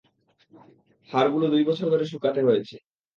হাড়গুলো দুইবছর ধরে শুকাতে হয়েছে।